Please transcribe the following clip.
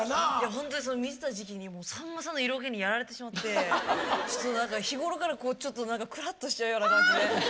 ホントに見てた時期にさんまさんの色気にやられてしまってちょっと日頃からちょっと何かくらっとしちゃうような感じで。